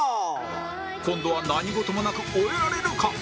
今度は何事もなく終えられるか？